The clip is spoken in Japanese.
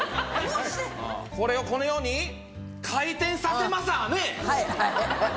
これをこのように回転させまさね！